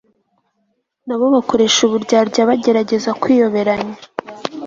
na bo bakoresha uburyarya bagerageza kwiyoberanya